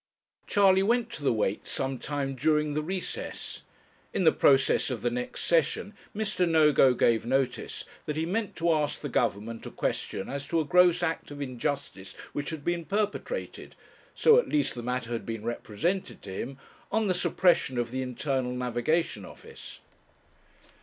Charley went to the Weights some time during the recess. In the process of the next session Mr. Nogo gave notice that he meant to ask the Government a question as to a gross act of injustice which had been perpetrated so at least the matter had been represented to him on the suppression of the Internal Navigation Office.